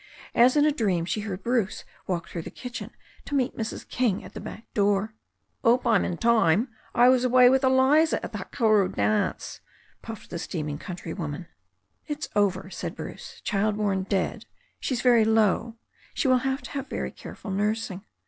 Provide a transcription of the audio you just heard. As in a dream she heard Bruce walk through the kitchen to meet Mrs. King at the back door. " 'Ope I'm in time. I was away with Eliza at the Hakaru dance," puffed the steaming countrywoman. "It's over," Bruce said. "Child born dead. She's very low. She will have to have very careful nursing.